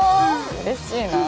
うれしいな。